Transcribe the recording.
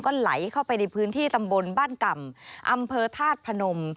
ก็ไหลเข้าไปในพื้นที่ตำบลบ้านก่ำอำเภอธาตุพนม